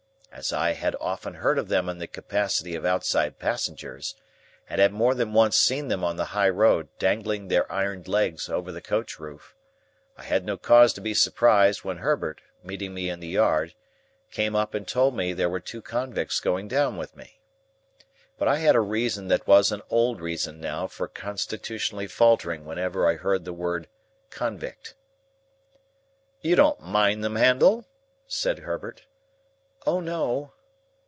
As I had often heard of them in the capacity of outside passengers, and had more than once seen them on the high road dangling their ironed legs over the coach roof, I had no cause to be surprised when Herbert, meeting me in the yard, came up and told me there were two convicts going down with me. But I had a reason that was an old reason now for constitutionally faltering whenever I heard the word "convict." "You don't mind them, Handel?" said Herbert. "O no!"